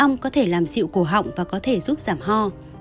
ong có thể làm dịu cổ họng và có thể giúp giảm ho